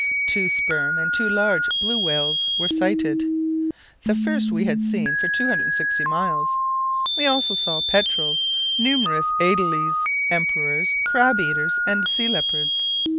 Two sperm and two large blue whales were sighted, the first we had seen for 260 miles. We saw also petrels, numerous adelies, emperors, crab eaters, and sea leopards.